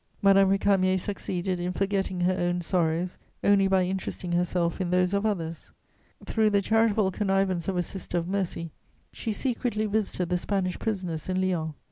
Madame Récamier succeeded in forgetting her own sorrows only by interesting herself in those of others; through the charitable connivance of a sister of Mercy, she secretly visited the Spanish prisoners in Lyons.